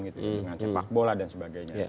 dengan sepak bola dan sebagainya